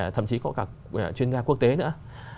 thậm chí có cả chuyên gia quốc tế nữa